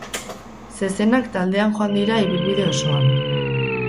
Zezenak taldean joan dira ibilbide osoan.